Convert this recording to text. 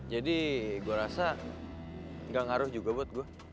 jadi gue rasa gak ngaruh juga buat gue